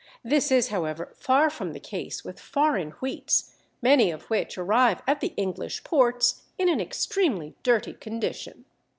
This is, however, far from the case with foreign wheats, many of which arrive at the English ports in an extremely dirty condition.